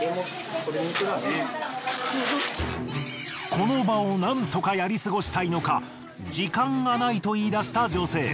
この場をなんとかやり過ごしたいのか時間がないと言い出した女性。